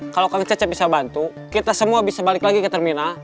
kalau kami cacat bisa bantu kita semua bisa balik lagi ke terminal